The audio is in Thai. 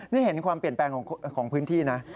นี่เห็นความเปลี่ยนแปลงของพื้นที่นะ